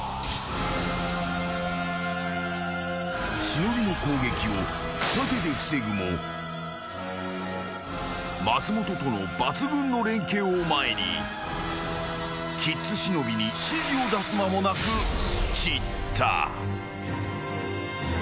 ［忍の攻撃を盾で防ぐも松本との抜群の連携を前にキッズ忍に指示を出す間もなく散った］